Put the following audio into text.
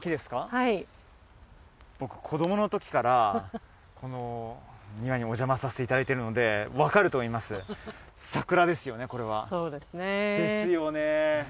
はい僕子供の時からこの庭にお邪魔させていただいているので分かると思います桜ですよねこれはそうですねですよね